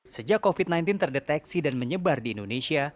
sejak covid sembilan belas terdeteksi dan menyebar di indonesia